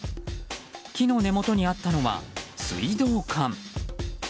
木の根元にあったのは水道管。